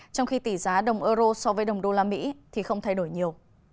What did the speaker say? trong khi tỷ giá đồng euro so với đồng usd không thay đổi nhiều